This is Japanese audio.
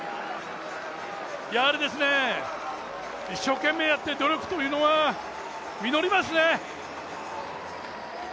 やはり一生懸命やって努力というのは実りますね。